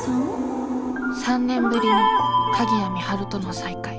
３年ぶりの鍵谷美晴との再会。